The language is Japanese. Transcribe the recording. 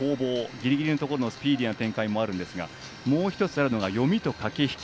ギリギリのところのスピーディーな展開もあるんですけれどももう１つあるのが読みと駆け引き。